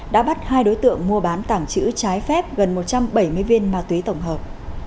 đã bắt hai đối tượng mua bán tảng chữ trái phép gần một trăm bảy mươi viên ma túy tổng hợp